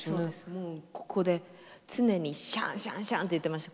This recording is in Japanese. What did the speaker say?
もうここで常にシャンシャンシャンって言ってました。